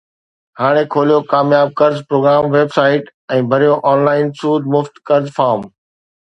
ھاڻي کوليو ڪامياب قرض پروگرام ويب سائيٽ ۽ ڀريو آن لائن سود مفت قرض فارم